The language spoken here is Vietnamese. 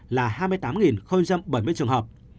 là hai mươi tám bảy mươi trường hợp